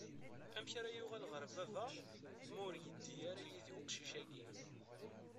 Amek ara uɣaleɣ ɣer baba, ma ur iddi ara yid-i uqcic-agi?